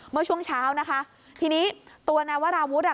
เมื่อช่วงเช้านะคะทีนี้ตัวนายวราวุฒิอ่ะ